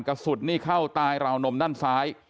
กระสุนนี่เข้าใต้ราวนมด้านซ้าย